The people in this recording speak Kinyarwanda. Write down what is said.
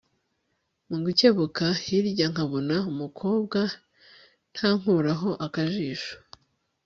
mugukebuka hirya nkabona umukobwa ntankuraho akajisho